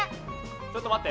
ちょっと待って。